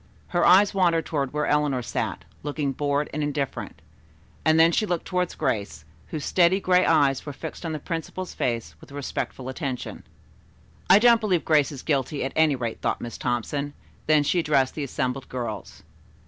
Her eyes wandered toward where Eleanor sat, looking bored and indifferent, and then she looked toward Grace, whose steady gray eyes were fixed on the principal's face with respectful attention. "I don't believe Grace is guilty, at any rate," thought Miss Thompson; then she addressed the assembled girls.